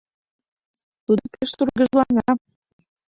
Тудо пеш тургыжлана.